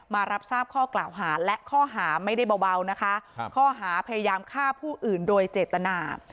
มารับทราบข้อกล่าวหาและข้อหาไม่ได้เบานะคะข้อหาพยายามฆ่าผู้อื่นโดยเจตนา